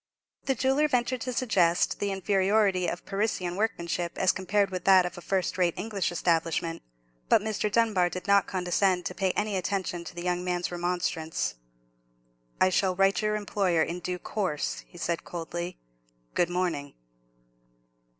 The jeweller ventured to suggest the inferiority of Parisian workmanship as compared with that of a first rate English establishment; but Mr. Dunbar did not condescend to pay any attention to the young man's remonstrance. "I shall write to your employer in due course," he said, coldly. "Good morning."